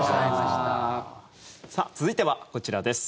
続いてはこちらです。